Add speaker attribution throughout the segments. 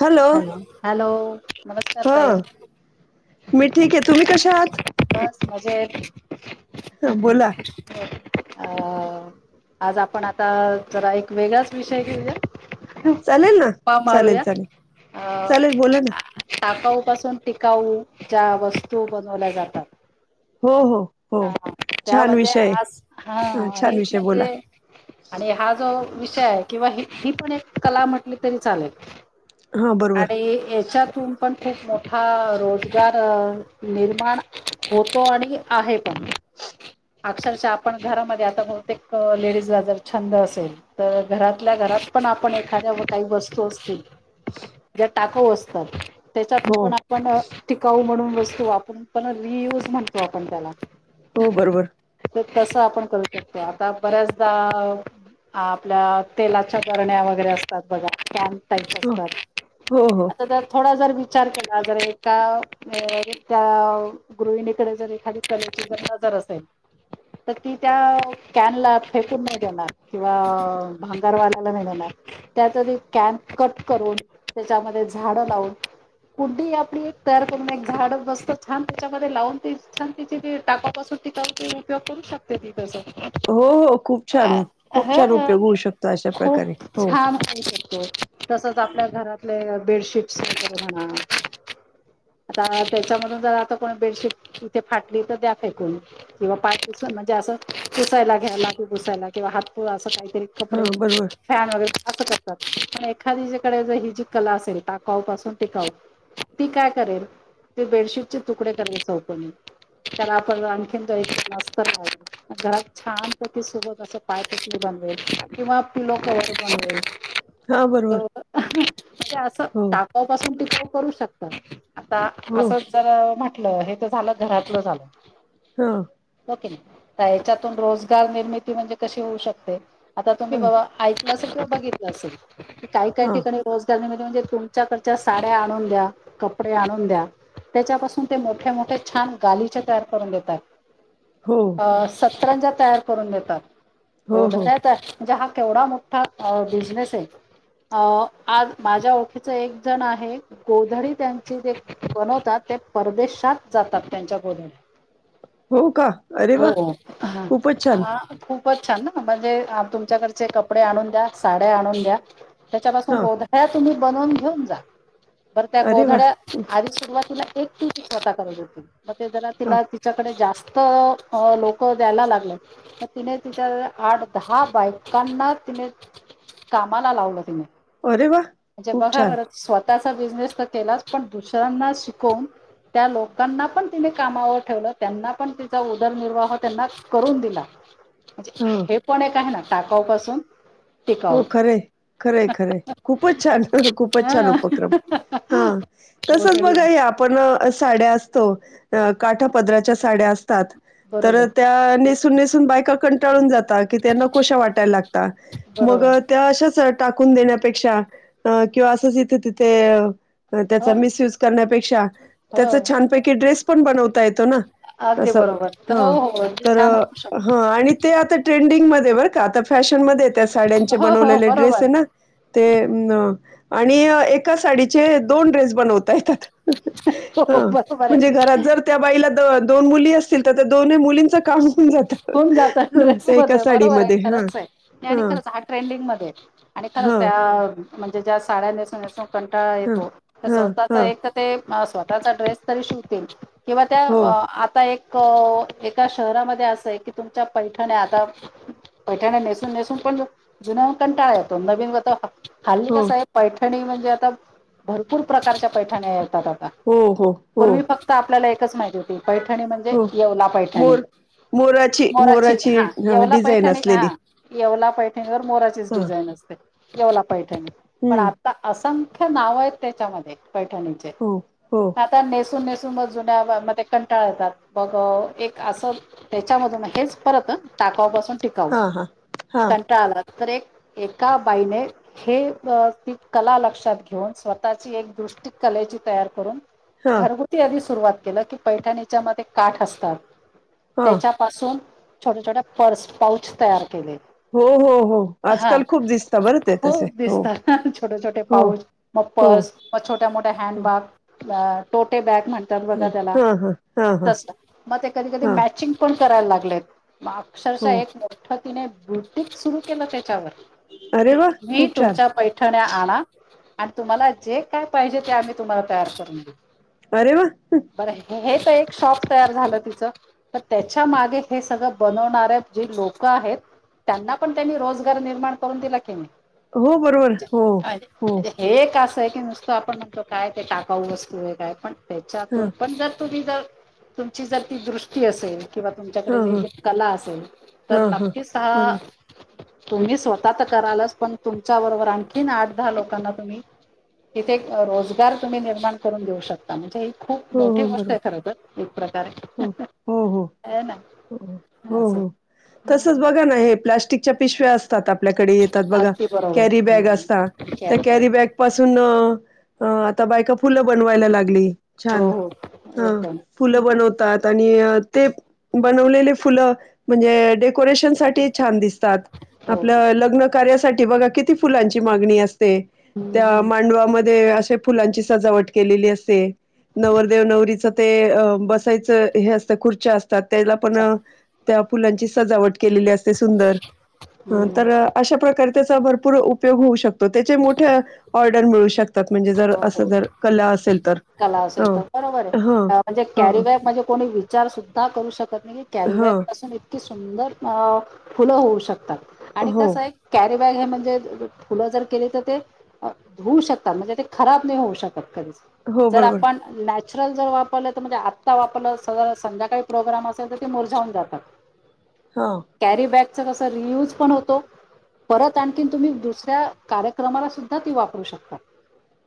Speaker 1: Hello
Speaker 2: hello. नमस्कार
Speaker 1: हा
Speaker 2: तई.
Speaker 1: मी ठीक आहे तुम्ही कशा आहात
Speaker 2: [unintelligible] बस मजेत.
Speaker 1: ह बोला.
Speaker 2: हो अ आज आपण आता जरा एक वेगळाच विषय घेऊया.
Speaker 1: चालेल ना
Speaker 2: पा
Speaker 1: चालेल
Speaker 2: मारूयात
Speaker 1: चालेल
Speaker 2: अ.
Speaker 1: चालेल बोला ना
Speaker 2: टाकाऊ पासून टिकाऊ ज्या वस्तू बनवल्या जातात.
Speaker 1: हो हो. हो
Speaker 2: हा त्या
Speaker 1: छान
Speaker 2: म्हणजे
Speaker 1: विषय आहे
Speaker 2: आज हा
Speaker 1: छान
Speaker 2: आणि
Speaker 1: विषय बोला
Speaker 2: म्हणजे. आणि हा जो विषय आहे किंवा ही पण एक कला म्हटली तरी चालेल.
Speaker 1: हा बरोबर
Speaker 2: आणि याच्यातून. पण खूप मोठा रोजगार निर्माण होतो आणि. आहे पण. अक्षरशः आपण घरामध्ये आता बहतेक लेडीजला जर छंद असेल. तर घरातल्या घरात पण आपण एखाद्या काही वस्तू असतील. ज्या
Speaker 1: [unintelligible]
Speaker 2: टाकाऊ असतात त्याच्यातून
Speaker 1: हो
Speaker 2: पण. पण टिकाऊ म्हणून वस्तू वापरून पण रियूज म्हणतो आपण त्याला.
Speaker 1: हो बरोबर.
Speaker 2: तर तसं आपण करू शकते आता बऱ्याचदा. आपल्या तेलाच्या बरण्या वगैरे असतात बघा.
Speaker 1: हो हो हो
Speaker 2: [unintelligible] थोडा जर विचार केला जर एका त्या गृहिणीकडे जरी. खाली कण्याची जर नजर असेल. तर ती त्या कॅनला फेकून नाही देणार किंवा भांगरवाल्याला नाही देणार. त्यात कॅनप [inaudible] कट करून त्याच्यामध्ये झाड लावून. कुड्डी आपली एक तयार करून एक झाड बस्त छान त्याच्यामध्ये लावून त. [inaudible] ति टाकापासून तीिक उपयोग करू शकते ती त्याचा [inaudible]
Speaker 1: हो हो खूप छान खूप छान उपयोग होऊ शकतो अशा प्रकारे हो
Speaker 2: [inaudible]
Speaker 1: [inaudible]
Speaker 2: हां क तसच आपल्या घरातले बेडशीटस वगरे. [inaudible] [inaudible] आता त्याच्यामधून जर आता कोणी बेडशीट इथे फाटली तर द्या फे कोणी. किंवा पाय पुस म्हणजे असं पुसायला घ्यायला ते पुसायला किंवा हातपु असं काहीतरी. [inaudible] कपडे.
Speaker 1: हा बरोबर
Speaker 2: फॅन वगैरे असं करतात पण एखादी जकडे ही जी कला असेल टाकाऊ पासून टिकाऊ. [inaudible] ती काय करेल ते बेडशीटचे तुकडे करणे सोपनी. त्याला आपण आणखीनस्त. घरात छानपती सोबत असं पायपट बनवेल किंवा पिलो क बनवेल
Speaker 1: हा
Speaker 2: [inaudible]
Speaker 1: बरोबर
Speaker 2: ते असं
Speaker 1: हो
Speaker 2: टाकापासून ते काही करू शकतात. आता
Speaker 1: हो
Speaker 2: असंच जर म्हटलं हे तर झालं घरातलं झालं.
Speaker 1: [inaudible] हा
Speaker 2: [inaudible] ओके ना याच्यातून रोजगार निर्मिती म्हणजे कशी होऊ शकते आता
Speaker 1: हा
Speaker 2: तुम्ही बाबा ऐकलं असेल किंवा बघितलं असेल क काय काय
Speaker 1: हा
Speaker 2: ठिकाणी रोजगार निम म्हणजे तुमच्याकडच्या साड्या आणून द्या कपडे आणून द्या त्याच्यापासून ते मोठे मोठे छान गालचे तयार करून देतात
Speaker 1: हो
Speaker 2: सतरांजा तयार करून देतात
Speaker 1: हो हो
Speaker 2: गोध्या म्हणजे हा केवढा मोठा बिझनेस आहे अ आज माझ्या ओखीच एक जण आहे गोधडी त्यांची जे बनवतात ते परदेशात जातात त्यांच्या गोधडी
Speaker 1: हो का अरे
Speaker 2: [inaudible] [inaudible] हो
Speaker 1: वा
Speaker 2: ह
Speaker 1: खूपच छान
Speaker 2: खूपच छान ना म्हणजे तुमच्याकडचे कपडे आणून द्या साड्या आणून द्या [inaudible] त्याच्यापासून
Speaker 1: हा
Speaker 2: गोधळ्या तुम्ही बनवून घेऊन जा [inaudible] बर त्या
Speaker 1: अरे वा
Speaker 2: गोधळ्या आधी सुरुवातीला एक ती स्वतः गज होती [inaudible] मग ते जरा
Speaker 1: हा
Speaker 2: तिला तिच्याकडे जास्त तर लोक द्यायला लागले [inaudible] तिने तिच्या आठ दहा बायकांना तिने [inaudible] [inaudible] कामाला लावलं तिने [inaudible]
Speaker 1: अरे वा
Speaker 2: म्हणजे
Speaker 1: खूप
Speaker 2: बघा
Speaker 1: छान
Speaker 2: बर स्वतःचा बिझनेस तर केलाच पण दुसऱ्यांना शिकवून त्या लोकांना पण तिने कामावर ठेवलं [inaudible] त्यांना पण तिचा उदरनिर्वाह त्यांना करून दिला [inaudible] म्हणजे
Speaker 1: हा
Speaker 2: हे पण एक आहे ना टाकावपासून
Speaker 1: हो खरे [inaudible] खरे खरे खूपच छान खूपच छान
Speaker 2: हा
Speaker 1: उपक्रम [inaudible] हा तसंच बघा या आपण साड्या असतो काठा पदराच्या साड्या असतात [inaudible] [inaudible] तर
Speaker 2: बरोबर
Speaker 1: त्या नेसून नेसून बायका कंटाळून जातात की त्यांना कोशा वाटायला लागत मग
Speaker 2: बरोबर
Speaker 1: त्या अशाच टाकून देण्यापेक्षा किंवा असंच इथे तिथे त्याचा
Speaker 2: हो ना
Speaker 1: मिसयुज करण्यापेक्षा [inaudible] त्याचा
Speaker 2: हो
Speaker 1: छानपैकी ड्रेस ब येत
Speaker 2: अगदी बरोबर तर हो हो अगदी छान होऊ
Speaker 1: [inaudible]
Speaker 2: शकतो
Speaker 1: ह आणि ते आता ट्रेंडिंगमध्येध्ये बरं का आता फॅशनमध्येध्ये त्या साड्यांचे
Speaker 2: हो हो
Speaker 1: बनवलेले ड्रेस
Speaker 2: बरोबर
Speaker 1: आहे ना ते [inaudible] आणि एक साडीचे दोन ड्रेस बनवता येतात.
Speaker 2: हो
Speaker 1: [inaudible]
Speaker 2: हो बरोबर
Speaker 1: म्हणजे
Speaker 2: आहे.
Speaker 1: घरात जर त्या बाईला दोन मुली असतील तर त्या दोनही मुलीं काम जात
Speaker 2: होऊन जात ड्रेस
Speaker 1: त्या एका
Speaker 2: मध्ये
Speaker 1: साडीमध्ये ह हा [inaudible]
Speaker 2: ट्रेंडिंगमध्ये [inaudible] आणि खरंच त्या म्हणजे ज्या साड्या नस पणट
Speaker 1: हां,
Speaker 2: येतो तर
Speaker 1: हां,
Speaker 2: स्वतःचा
Speaker 1: हां.
Speaker 2: एक तर ते स्वतःचा ड्रेस तरी शिवतील किंवा त्या
Speaker 1: हो,
Speaker 2: आता एक [inaudible] का शहरामध्ये असं आहे कि तुमच्या पैठण आता [inaudible] [inaudible] पैठाण नेसून नेसून पण जुन कंटाळा येतो नवीन वता खाल्ली
Speaker 1: हो,
Speaker 2: कस आहे पैठणी म्हणजे [inaudible] आता भरपूर प्रकारच्या पैठणी येतात आता
Speaker 1: हो हो हो
Speaker 2: पूर्वी फक्त आपल्याला एकच माहिती होती पैठणी म्हणजे
Speaker 1: हो.
Speaker 2: येवला पैठणी
Speaker 1: मोर
Speaker 2: मोराची हा
Speaker 1: अ,
Speaker 2: येवला
Speaker 1: डिझाईन
Speaker 2: पैठणी हा
Speaker 1: असलेली.
Speaker 2: येवला पैठणीवर मोराचीच
Speaker 1: हां,
Speaker 2: डिझाईन असते येवला पैठणी पण
Speaker 1: हं.
Speaker 2: आ असंख्य नाव आहेत त्याच्यामध्ये पैठणीचे
Speaker 1: हो हो
Speaker 2: आता नेसून नेसून मग जुन्या मध्ये कंटाळ येतात बघ एक असं त्याच्यामधून हेच परत टाकावापासून टिकाव
Speaker 1: हां, हां. हां,
Speaker 2: कंटाळला तर एक एका बाईने हे ती कला लक्षात घेऊन स्वतःची एक दृष्टी कलेची तयार करून
Speaker 1: हां,
Speaker 2: घरगुती आधी सुरुवात केलं की पैठणीच्या मध्ये काठ असतात
Speaker 1: हां.
Speaker 2: त्याच्या पाासून छोट्या छोट्या पर्स पाउच तयार केले
Speaker 1: हो, हो, हो.
Speaker 2: हा
Speaker 1: आजकाल खूप दिसता बरं ते तसे.
Speaker 2: खूप
Speaker 1: हो,
Speaker 2: दिसतात छोटे छोटे
Speaker 1: हो,
Speaker 2: पाऊच मग
Speaker 1: हो,
Speaker 2: पर्स मग छोट्या मोठ्या हॅड
Speaker 1: हो.
Speaker 2: बॅग टोटे बॅग म्हण
Speaker 1: ह
Speaker 2: बघा त्याला
Speaker 1: हा हा हा
Speaker 2: [inaudible]
Speaker 1: हा
Speaker 2: तस मग की कधी
Speaker 1: हा
Speaker 2: मंग पण करायला लाग अर
Speaker 1: हो
Speaker 2: [inaudible] तने बुट सुरु केलं
Speaker 1: अरे वा
Speaker 2: त्याच्यावरी [inaudible]
Speaker 1: खूप छान
Speaker 2: तुमच्या पै ठण्या आणा [inaudible] आणि तुम्हाला जे काय पाहिजे ते आम्ही तुम्हाला तयार करून देऊ [inaudible]
Speaker 1: अरे वा
Speaker 2: बर हे तर एक शॉप तयार झालं ति तर त्याच्या मागे हे सगळं बनवणारे जे लोक आहेत त्यांना पण त्यांनी रोजगार निर्माण करून दिला की नाही
Speaker 1: हो बरोबर हो हो
Speaker 2: म्हणजे हे का असं आहे की नुसतं आपण म्हणतो काय ते टाकावू वस्तू कि काय पण
Speaker 1: हा
Speaker 2: त्याच्यातून पण जर तुम्ही जर तुमची जर ती दृष्टी असेल किंवा
Speaker 1: हा
Speaker 2: तुमच्याकडे जे
Speaker 1: हा
Speaker 2: जे कला असेल तर
Speaker 1: हा
Speaker 2: नक्कीच हा
Speaker 1: बरोबर
Speaker 2: तुम्ही स्वतः तर करालच पण तुमच्या बरोबर आणखीन आठ दहा लोकांना तुम्ही तिथे रोजगार तुम्ही निर्माण करून देऊ शकता म्हणजे ह खूप
Speaker 1: हो
Speaker 2: मोठी
Speaker 1: हो
Speaker 2: गोष्ट
Speaker 1: बरोबर
Speaker 2: आहे खरं तर एक प्रकारे
Speaker 1: हो हो हो
Speaker 2: आहे ना
Speaker 1: हो
Speaker 2: असं
Speaker 1: हो तसच
Speaker 2: हं,
Speaker 1: बघा ना हे प्लास्टिकच्या पिशव्या अस त्यात आपल्याकडे येतात बघा
Speaker 2: अगदी बरोबर
Speaker 1: कॅरीबॅग
Speaker 2: हं,
Speaker 1: असता तर कॅ पासून आता बायका फुलं बनवायला लागली
Speaker 2: हो
Speaker 1: छान
Speaker 2: हो
Speaker 1: हा
Speaker 2: एकदम
Speaker 1: फुलं बनवतात आणि ते बनवलेले फुलं म्हणजे डेकोरेशन साठी छान दिसतात
Speaker 2: हो
Speaker 1: आपल्या लग्न कार्यासाठी बघा किती फुलांची मागणी अस
Speaker 2: हं,
Speaker 1: त्या
Speaker 2: हं.
Speaker 1: मांडवामध्ये असे फुलांची सजावट केलेली असते नवरदेव नवरीच ते अ बसायचं हे असतं खुर्च्या असतात त्याला पण
Speaker 2: चालेल.
Speaker 1: त्या फुलांची सजावट केलेली असते सुंदर
Speaker 2: हं,
Speaker 1: तर अशा प्रकारे त्याचा भरपूर उपयोग होऊ शकतो त्याचे मोठे ऑर्डर मिळू शकतो म्हणजे जर
Speaker 2: हो
Speaker 1: असं
Speaker 2: हो
Speaker 1: जर कला असेल तर
Speaker 2: कला असेल
Speaker 1: हो
Speaker 2: तर बरोबर
Speaker 1: हो
Speaker 2: आहे म्हणजे
Speaker 1: हो
Speaker 2: कॅरीबॅक म्हणजे कोणी विचार सुद्धा करू शकत नाही
Speaker 1: हो
Speaker 2: कॅरीबॅग पासून इतकी सुंदर फुलं होऊ शकतात आणि
Speaker 1: हो
Speaker 2: कसं एक कॅरी बॅग हे म्हणजे फुलं जर केली तर ते होऊ शकतात म्हणजे ते खराब नाही होऊ शकत कधीच
Speaker 1: हो
Speaker 2: जर
Speaker 1: बरोबर
Speaker 2: आपण नॅचरल जर वापरलं तर म्हणजे आत्ता वापरलं स संध्याकाळी प्रोग्राम असेल तर ते मोरझावून जातात ह
Speaker 1: हा
Speaker 2: कॅरी बॅगचा कसा रियूज पण होतो परत आणखीन तुम्ही दुसऱ्या कार्यक्रमाला सुद्धा ती वापरू शकता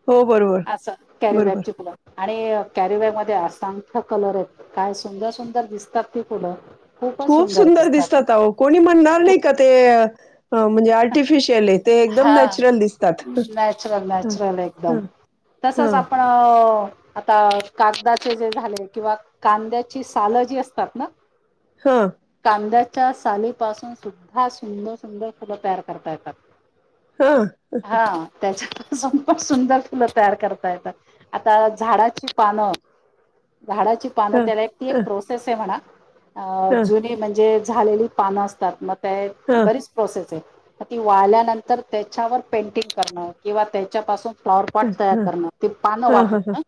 Speaker 1: हो बरोबर
Speaker 2: असं कॅरीवॅब
Speaker 1: बरोबर
Speaker 2: ची कलर आणि कॅरीवॅब मध्ये असंख्य कलर आहेत काय सुंदर सुंदर दिसतात ती पुढं
Speaker 1: खूप सुंदर दिसतात कोणी म्हणणार नाही का ते म्हणजे आर्टिफिशियल आहेत
Speaker 2: हा नॅचरल
Speaker 1: ह
Speaker 2: नॅचरल एकदम
Speaker 1: ह ह
Speaker 2: तसच आपण तर आता कागदाचे जे झाले किंवा कांद्याची सालं जी असतात ना
Speaker 1: हा
Speaker 2: कांद्याच्या सालीपासून सुद्धा सुंदर सुंदर फुलं तयार करता येतात
Speaker 1: हा
Speaker 2: हा त्याच्याासून पण सुंदर फुलं तयार करता येतात आता झाडाची पानं झाडाची पान
Speaker 1: ह
Speaker 2: त्या
Speaker 1: ह
Speaker 2: एक प्रोसेस आहे म्हणा
Speaker 1: ह ह
Speaker 2: जु म्हणजे झालेली पान असतात म
Speaker 1: ह
Speaker 2: बरीच प्रोसेस आहे ती वाल्यानंतर तर त्याच्यावर पेंटिंग करणं किंवा त्याच्यापासून फ्लाॉवरपॉट तयार करण ते पानं
Speaker 1: ह ह ह
Speaker 2: वापरणं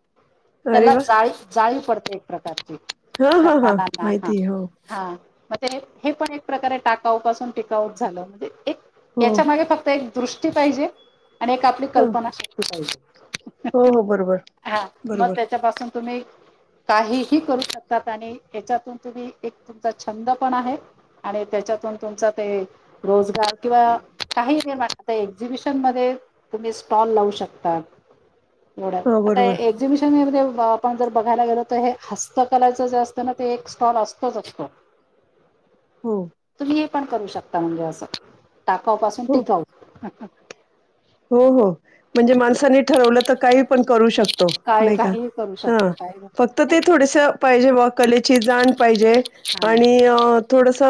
Speaker 1: अरे
Speaker 2: त्याला
Speaker 1: वा
Speaker 2: जाळी जाळी पडते एक प्रकारची
Speaker 1: हा
Speaker 2: त्या
Speaker 1: हा हा
Speaker 2: पानांना हा
Speaker 1: माहिती आहे. हो
Speaker 2: हा म्हणजे हे पण एक प्रकारे टाकाऊ पाासून टिकाऊट झालं म्हणजे एक
Speaker 1: हो
Speaker 2: याच्या मागे फक्त एक दृष्टी पाहिजे आणि एक आपली
Speaker 1: ह
Speaker 2: कल्पना श पाहिजे
Speaker 1: हो हो बरोबर
Speaker 2: हा मग
Speaker 1: बरोबर
Speaker 2: त्याच्या पाासून तुम्ही काहीही करू शकतात आणि हच्यातून तुम्ही एक तुमचा छंद पण आहे आणि त्याच्यातून तुमचा ते रोजगार किंवा काही आता एक्झिबिशन मध्ये तुम्ही स्टॉल लावू शकता एड
Speaker 1: हो
Speaker 2: आता
Speaker 1: बरोबर
Speaker 2: एक्झिबिशन मध्ये आपण जर बघायला गेलो तर हे हस्तकलाचं जे असतं ना ते एक स्टॉल असतोच असतो
Speaker 1: हो
Speaker 2: तुम्ही हे पण करू शकता म्हणजे असं टाकावपासून
Speaker 1: हो
Speaker 2: टिकाव
Speaker 1: हो हो म्हणजे माणसांनी ठरवलं तर काही पण करू शकतो
Speaker 2: काय
Speaker 1: नाही का
Speaker 2: काही करू
Speaker 1: हां
Speaker 2: शकतो काय
Speaker 1: फक्त ते थोडेस पाहिजे कलेची जाण पाहिजे
Speaker 2: हा
Speaker 1: आणि थोडस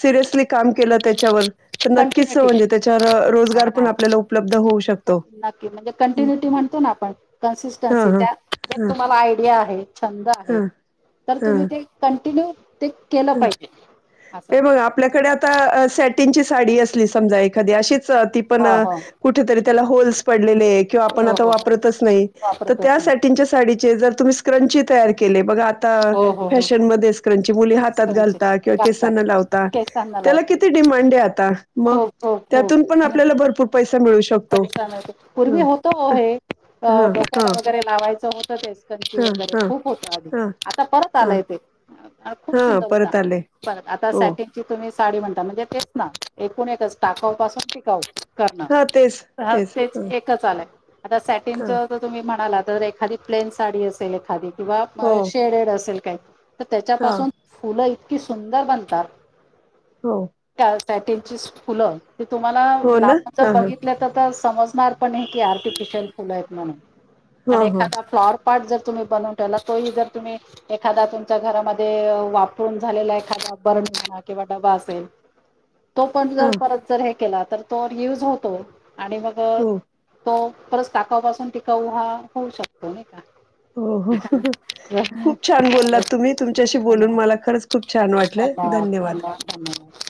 Speaker 1: सिरियसली काम केलं त्याच्यावर तर नक्कीच
Speaker 2: कंटिन्युटी
Speaker 1: म्हणजे त्याच्यावर
Speaker 2: हा
Speaker 1: रोजगार
Speaker 2: हा
Speaker 1: पण आपल्याला उपलब्ध होऊ शकत
Speaker 2: नक्की म्हणजे कंटिन्युटी म्हणतो ना आपण
Speaker 1: हां
Speaker 2: कन्सिस्टन्सी
Speaker 1: हां
Speaker 2: त्या
Speaker 1: हां
Speaker 2: तुम्हाला आयडिया आहे छंद आहे
Speaker 1: हां
Speaker 2: तर तुम्ही ते कंटिन्यू ते केलं
Speaker 1: ह
Speaker 2: पाहिजे असं
Speaker 1: हे मग आप आपल्याकडे आता सॅटिनची साडी असली समजा एखादी अशीच ती पण
Speaker 2: हा हो
Speaker 1: कुठेतरी त्याला होल्
Speaker 2: हो हो हो
Speaker 1: तर
Speaker 2: वापरतच
Speaker 1: त्या
Speaker 2: नाही
Speaker 1: सॅटिनच्या साडीचे जर तुम्ही स्क्रंची तयार केले ब आता
Speaker 2: हो हो हो
Speaker 1: फशन म स्क्रं मुली हातात
Speaker 2: स्टोनचे
Speaker 1: घाता किंवा
Speaker 2: घालतात
Speaker 1: केसांना लावता
Speaker 2: केसांना
Speaker 1: त्याला
Speaker 2: लावतात
Speaker 1: किती डिमांड आहे आता मग
Speaker 2: खूप खूप
Speaker 1: त्यातून पण आपल्याला भरपूर पैसा मिळू शकतो
Speaker 2: परशानते पूर्वी
Speaker 1: हं.
Speaker 2: होतो
Speaker 1: अ,
Speaker 2: हे
Speaker 1: हां,
Speaker 2: डोक्याला
Speaker 1: हां,
Speaker 2: वगैरे लावायचं होतं तेसकंची
Speaker 1: हां,
Speaker 2: वगैरे
Speaker 1: हां,
Speaker 2: खूप होतं आधी
Speaker 1: हां,
Speaker 2: आता परत
Speaker 1: हां,
Speaker 2: आला य तेे खूप
Speaker 1: हां,
Speaker 2: सुंदर होता
Speaker 1: परत आले.
Speaker 2: परत आता
Speaker 1: हो.
Speaker 2: सॅटिंग ची तुम्ही साडी म्हणता म्हणजे तेच ना एकूण एकच टाकाू पासून टिकाऊ करणार
Speaker 1: होतेतीस
Speaker 2: हा तेच एकच आलंय आता सॅटिनच
Speaker 1: हां.
Speaker 2: तुम्ही म्हणाला तर एखादी प्लेन साडी असेल एखादी किंवा
Speaker 1: हो.
Speaker 2: शेडेड असेल काय तर
Speaker 1: हां,
Speaker 2: त्याच्यापासून फुलं इतकी सुंदर बनतात.
Speaker 1: हो.
Speaker 2: सॅटेची फुलं ती तुम्हाला
Speaker 1: हो ना
Speaker 2: लांब
Speaker 1: हा
Speaker 2: जर
Speaker 1: हा
Speaker 2: बघित ती आता समजणार पण नाही की आर्टिल्फिशिअल फुल आहेत म्हणून
Speaker 1: हा
Speaker 2: त्यात
Speaker 1: हा
Speaker 2: एखादा फ्लॉवरपॉट पाठ जर तुम्ही बनवून ठला तोही जर तुम्ही. एखादा तुमच्या घरामध्ये वापरून झालेला एखादा बर्णी किंवा डबा असेल. तो पण
Speaker 1: हा
Speaker 2: जर परत जर हे केला तर तो युज होतो आणि मग.
Speaker 1: हो
Speaker 2: तो परच टाकापासून टिकाऊ हा होऊ शकतो नाही का.
Speaker 1: हो हो. खूप छान बोललात
Speaker 2: चालेल
Speaker 1: तुम्ही तुमच्याशी बोलून
Speaker 2: धन्यवाद
Speaker 1: मला खरंच खूप छान वाटलंय धन्यवाद.
Speaker 2: [inaudible]